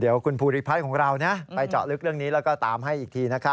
เดี๋ยวคุณภูริพัฒน์ของเราไปเจาะลึกเรื่องนี้แล้วก็ตามให้อีกที